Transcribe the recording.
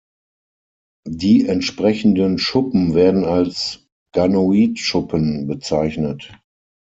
Die entsprechenden Schuppen werden als Ganoidschuppen bezeichnet.